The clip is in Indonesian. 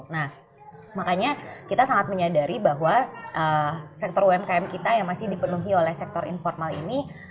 nah makanya kita sangat menyadari bahwa sektor umkm kita yang masih dipenuhi oleh sektor informal ini